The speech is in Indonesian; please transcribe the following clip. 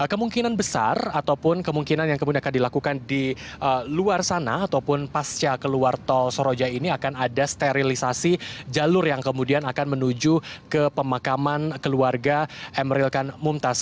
kemungkinan besar ataupun kemungkinan yang kemudian akan dilakukan di luar sana ataupun pasca keluar tol soroja ini akan ada sterilisasi jalur yang kemudian akan menuju ke pemakaman keluarga emeril kan mumtaz